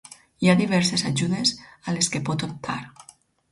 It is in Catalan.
Hi ha diverses ajudes a les que pot optar.